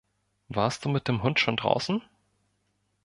Warst du mit dem Hund schon draußen?